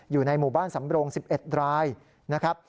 อยู่ในหมู่บ้านสำรง๑๑รายนะครับ